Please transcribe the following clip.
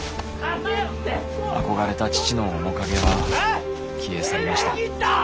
あこがれた父の面影は消え去りました。